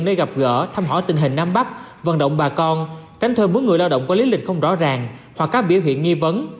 để gặp gỡ thăm hỏi tình hình nam bắc vận động bà con tránh thêm muốn người lao động có lý lịch không rõ ràng hoặc các biểu hiện nghi vấn